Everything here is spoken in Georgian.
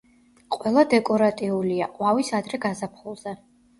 ყველა დეკორატიულია, ყვავის ადრე გაზაფხულზე.